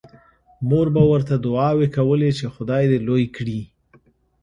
مور به ورته دعاوې کولې چې خدای دې لوی کړي